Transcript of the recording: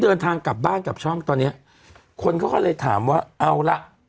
เดินทางกลับบ้านกลับช่องตอนเนี้ยคนเขาก็เลยถามว่าเอาละ